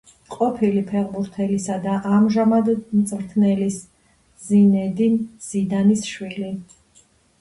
ყოფილი ფეხბურთელისა და ამჟამად მწვრთნელის, ზინედინ ზიდანის შვილი.